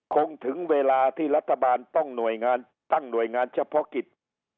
คงถึงเวลาที่รัฐบาลต้องหน่วยงานตั้งหน่วยงานเฉพาะกิจ